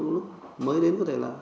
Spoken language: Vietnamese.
lúc mới đến có thể là